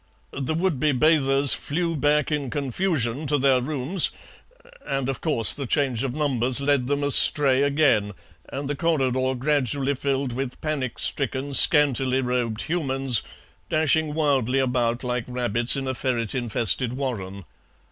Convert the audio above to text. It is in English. The would be bathers flew back in confusion to their rooms, and, of course, the change of numbers led them astray again, and the corridor gradually filled with panic stricken, scantily robed humans, dashing wildly about like rabbits in a ferret infested warren.